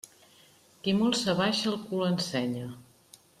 Qui molt s'abaixa, el cul ensenya.